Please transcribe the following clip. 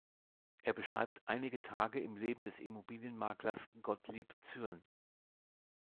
Er beschreibt einige Tage im Leben des Immobilienmaklers "Gottlieb Zürn".